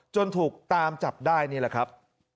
ถูกตามจับได้นี่แหละครับ